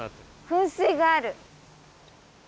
噴水がある。